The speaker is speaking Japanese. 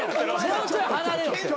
もうちょい離れろって。